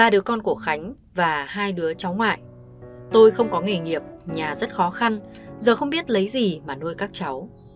ba đứa con của khánh và hai đứa cháu ngoại tôi không có nghề nghiệp nhà rất khó khăn giờ không biết lấy gì mà nuôi các cháu